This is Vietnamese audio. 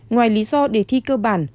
ngoài lý do đề thi cơ bản